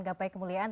gapai kembali lagi